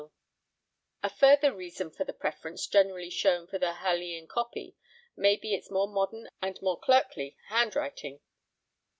A further reason for the preference generally shown for the Harleian copy may be its more modern and more clerkly handwriting.